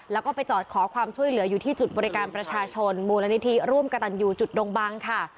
แล้วก็ไปจอดขอความช่วยเหลืออยู่ที่จุดบริการประชาชนมูลนิธิร่วมกระตันอยู่จุดดงบังค่ะ